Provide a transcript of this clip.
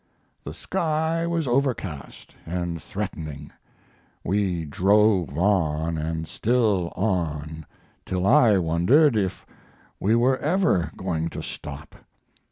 The sky was overcast and threatening. We drove on, and still on, till I wondered if we were ever going to stop.